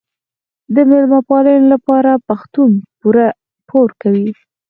د میلمه پالنې لپاره پښتون پور کوي.